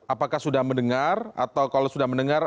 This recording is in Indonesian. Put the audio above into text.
apakah sudah mendengar